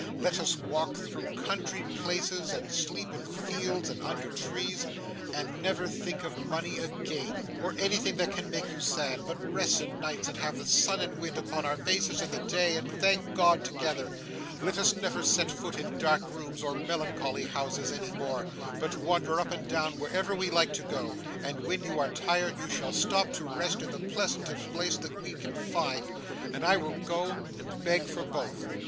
Let us walk through country places, and sleep in fields and under trees, and never think of money again, or anything that can make you sad, but rest at nights, and have the sun and wind upon our faces in the day, and thank God together! Let us never set foot in dark rooms or melancholy houses, any more, but wander up and down wherever we like to go; and when you are tired, you shall stop to rest in the pleasantest place that we can find, and I will go and beg for both.